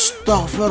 cepetan pak herman